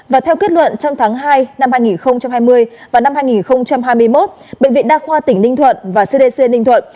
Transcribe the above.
và theo kết luận trong tháng hai năm hai nghìn hai mươi và năm hai nghìn hai mươi một bệnh viện đa khoa tỉnh ninh thuận và cdc ninh thuận